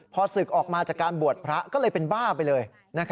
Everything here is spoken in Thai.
พอศึกออกมาจากการบวชพระก็เลยเป็นบ้าไปเลย